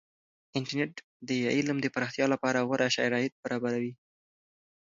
انټرنیټ د علم د پراختیا لپاره غوره شرایط برابروي.